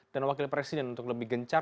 dan wakil presiden untuk lebih gencar